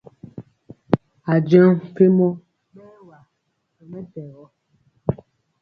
Ajɔŋ mpiemɔ bɛwa ri mɛtɛgɔ.